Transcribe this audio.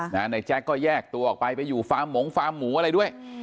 นายแจ็คก็แยกตัวออกไปไปอยู่ฟาร์มหมงฟาร์มหมูอะไรด้วย